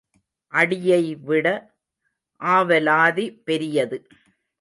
அடியை விட ஆவலாதி பெரியது.